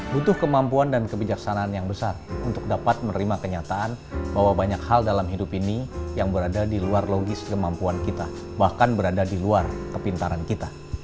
butuh kemampuan dan kebijaksanaan yang besar untuk dapat menerima kenyataan bahwa banyak hal dalam hidup ini yang berada di luar logis kemampuan kita bahkan berada di luar kepintaran kita